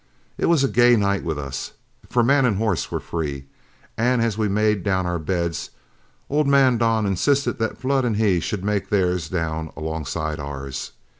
It was a gay night with us, for man and horse were free, and as we made down our beds, old man Don insisted that Flood and he should make theirs down alongside ours.